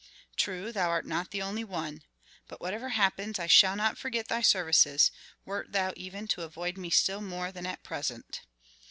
True, thou art not the only one! But whatever happens, I shall not forget thy services, wert thou even to avoid me still more than at present."